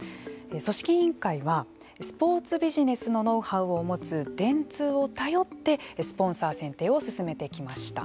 組織委員会はスポーツビジネスのノウハウを持つ電通を頼ってスポンサー選定を進めてきました。